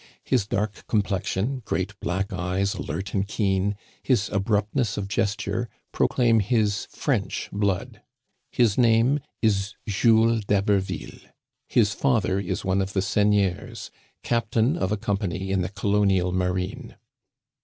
His dark complexion, great black eyes, alert and keen, his abrupt ness of gesture, proclaim his French blood. His name is Jules d'Haberville. His father is one of the seigneurs, captain of a company in the colonial marine.